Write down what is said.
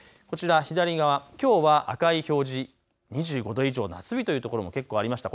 左側きょうは赤い表示、２５度以上夏日という所も結構ありました。